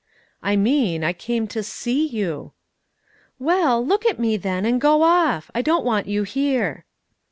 "I mean I came to see you." "Well, look at me, then, and go off; I don't want you here."